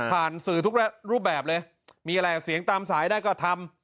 สื่อทุกรูปแบบเลยมีอะไรเสียงตามสายได้ก็ทำ